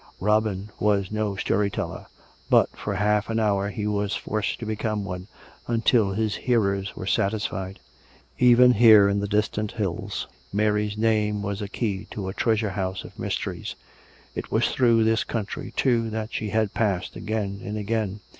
Robin was no story teller; but for half an hour he was forced to become one, until his hearers were satisfied. Even here, in the distant hills, ISIary's name was a key to a treasure house of mysteries. It was through this country, too, that she had passed again and again.